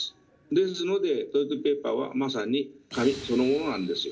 ですのでトイレットペーパーはまさに紙そのものなんですよ。